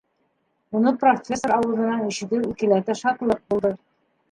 Уны профессор ауыҙынан ишетеү икеләтә шатлыҡ булды.